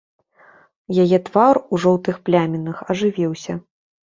Яе твар, у жоўтых плямінах, ажывіўся.